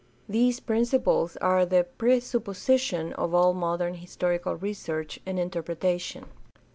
These principles are the presupposi tions of all modern historical research and interpretation.